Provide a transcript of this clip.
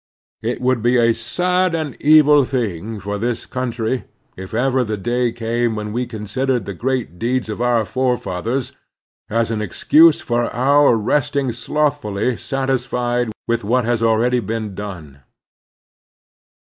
It would be a sad and evil thing for this cotmtry if ever the day came when we considered the great deeds of our fore fathers as an excuse for our resting slothfully satisfied with what has been already done.